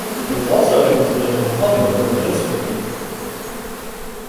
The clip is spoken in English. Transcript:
It is also open to the general public for lane swimming.